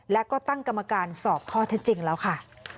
และก็ตั้งกรรมการสอบข้อเท็จจริงแล้วค่ะ